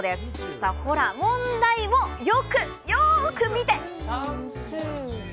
さあ、ほら、問題をよく、よーく見て。